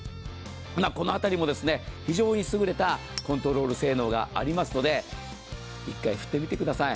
この辺りも非常に優れたコントロール性能がありますので、一回振ってみてください